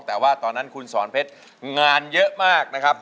แต่ว่าตอนนั้นคุณสอนเพชรงานเยอะมากนะครับ